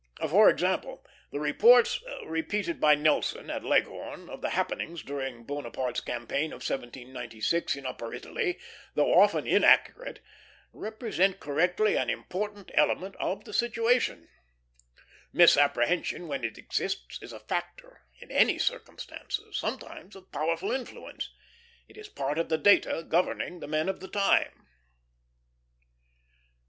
For example, the reports repeated by Nelson at Leghorn of the happenings during Bonaparte's campaign of 1796 in upper Italy, though often inaccurate, represent correctly an important element of a situation. Misapprehension, when it exists, is a factor in any circumstances, sometimes of powerful influence. It is part of the data governing the men of the time.